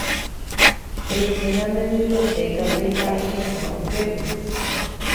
Eikéna nde bibliotecape ha eheka upépe.